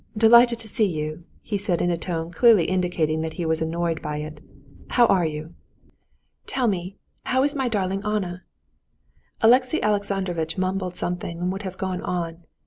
Delighted to see you!" he said in a tone clearly indicating that he was annoyed by it. "How are you?" "Tell me, how is my darling Anna?" Alexey Alexandrovitch mumbled something and would have gone on.